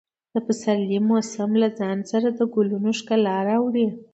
د پسرلي موسم له ځان سره د ګلونو ښکلا راوړي.